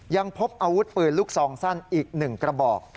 ยังพบอาวุธปืนลูกซองสั้นอีก๑กระบอก